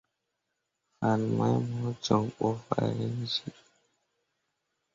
Fan mai mo jon ɓo farenjẽa.